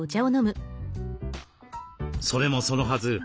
それもそのはず。